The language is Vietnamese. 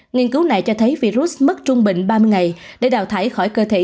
nghiên cứu này cho thấy virus mất trung bình ba mươi ngày để đào thải khỏi cơ thể